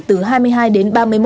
từ hai mươi hai đến ba mươi một